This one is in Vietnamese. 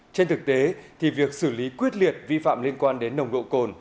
trên thực tế thì việc xử lý quyết liệt vi phạm liên quan đến nồng độ cồn